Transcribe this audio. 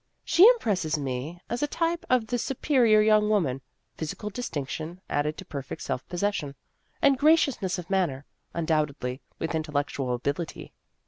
" She impresses me as a type of the superior young woman physical distinc tion added to perfect self possession and graciousness of manner, undoubtedly with intellectual ability.